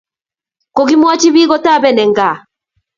kokimwochi biik kotepii en kaa